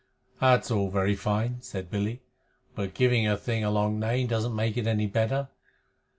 "That's all very fine," said Billy. "But giving a thing a long name doesn't make it any better."